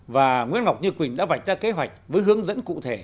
và nguyễn ngọc như quỳnh đã vạch ra kế hoạch với hướng dẫn cụ thể